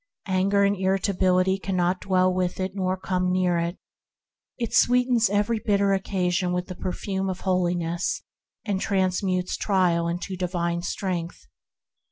Anger and irritability cannot dwell with it nor come near it. It sweetens every bitter occasion with the perfume of holiness, and transmutes trial into divine strength.